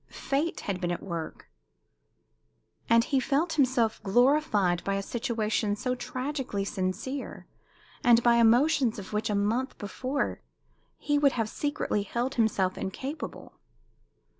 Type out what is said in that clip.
Fate had been at work; and he felt himself glorified by a situation so tragically sincere, and by emotions of which a month before he would have secretly held himself incapable.